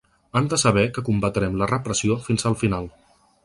Han de saber que combatrem la repressió fins al final.